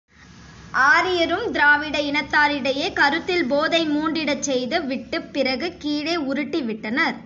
ஆரியரும், திராவிட இனத்தாரிடையே கருத்தில் போதை மூண்டிடச் செய்து விட்டுப் பிறகு கீழே உருட்டிவிட்டனர்.